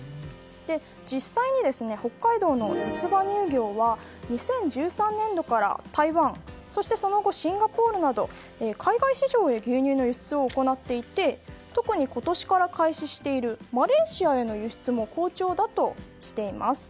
実際に、北海道のよつ葉乳業は２０１３年度から台湾そしてその後シンガポールなど海外市場へ牛乳の輸出を行っていて特に、今年から開始しているマレーシアへの輸出も好調だとしています。